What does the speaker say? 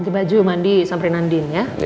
baju mandi sampai nanti ya ya